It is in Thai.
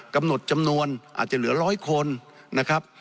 กำหนดจำนวนอาจจะเหลือ๑๐๐คนนะครับ